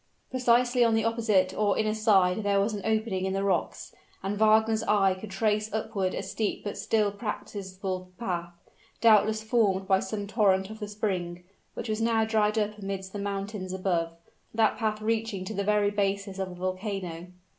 Precisely on the opposite or inner side there was an opening in the rocks, and Wagner's eye could trace upward a steep but still practicable path, doubtless formed by some torrent of the spring, which was now dried up amidst the mountains above, that path reaching to the very basis of the volcano.